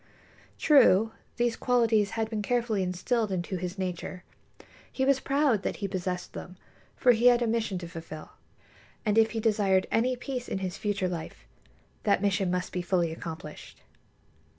True; these qualities had been carefully instilled into his nature. He was proud that he possessed them, for he had a mission to fulfil. And if he desired any peace in his future life, that mission must be fully accomplished.